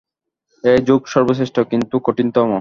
এই যোগ সর্বশ্রেষ্ঠ, কিন্তু কঠিনতম।